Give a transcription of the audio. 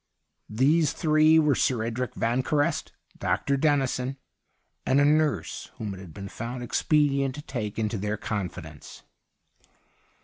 These three were Sir Edric Vanquerest, Dr. Dennison, and a nurse whom it had been found expedient to take into their con fidence.